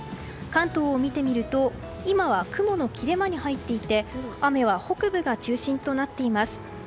関東を見てみると今は雲の切れ間に入っていて雨は北部が中心となっています。